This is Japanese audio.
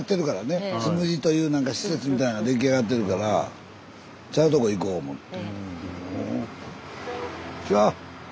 スタジオつむじという施設みたいなん出来上がってるからちゃうとこ行こう思って。